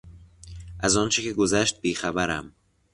از آنچه که گذشت بیخبرم.